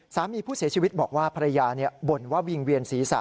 สามีผู้เสียชีวิตบอกว่าภรรยาบ่นว่าวิ่งเวียนศีรษะ